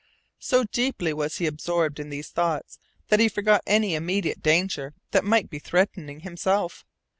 So deeply was he absorbed in these thoughts that he forgot any immediate danger that might be threatening himself.